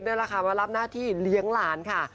มารับหน้าที่เลี้ยงหลานค่ะ